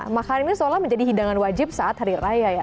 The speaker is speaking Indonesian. makan ini seolah menjadi hidangan wajib saat hari raya ya